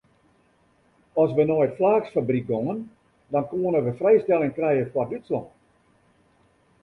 As we nei it flaaksfabryk gongen dan koenen we frijstelling krije foar Dútslân.